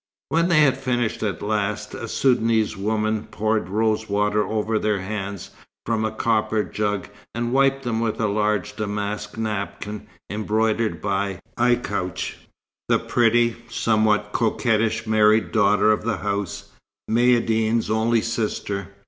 When they had finished at last, a Soudanese woman poured rose water over their hands, from a copper jug, and wiped them with a large damask napkin, embroidered by Aichouch, the pretty, somewhat coquettish married daughter of the house, Maïeddine's only sister.